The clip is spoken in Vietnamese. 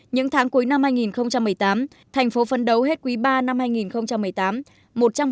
những tháng cuối năm hai nghìn một mươi tám thành phố phấn đấu hết quý ba năm hai nghìn một mươi tám